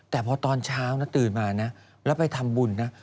แต่พอตอนเช้านะตื่นมานะแล้วไปทำบุญนะ